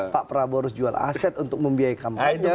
pak prabowo harus jual aset untuk membiayai kampanye